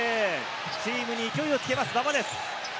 チームに勢いをつけます、馬場です。